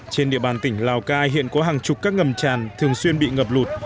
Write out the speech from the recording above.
trên địa bàn tỉnh lào cai hiện có hàng chục các ngầm tràn thường xuyên bị ngập lụt